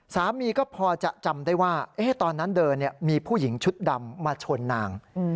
สามีก็พอจะจำได้ว่าตอนนั้นเดินมีผู้หญิงชุดดำมาชนนาง